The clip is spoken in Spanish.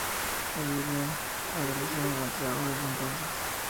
Agirre ha realizado un gran trabajo desde entonces.